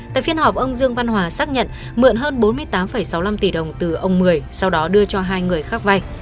tại phiên họp ông dương văn hòa xác nhận mượn hơn bốn mươi tám sáu mươi năm tỷ đồng từ ông mười sau đó đưa cho hai người khác vay